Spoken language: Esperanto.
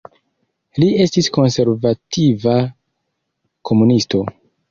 Li estis konservativa komunisto.